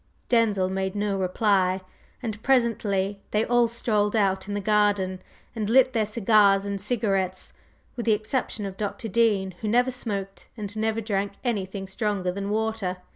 Denzil made no reply, and presently they all strolled out in the garden and lit their cigars and cigarettes, with the exception of Dr. Dean who never smoked and never drank anything stronger than water.